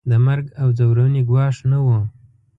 د مرګ او ځورونې ګواښ نه وو.